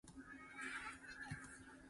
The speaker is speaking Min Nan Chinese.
仝款無仝款師父